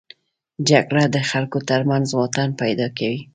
جګړه د خلکو تر منځ واټن پیدا کوي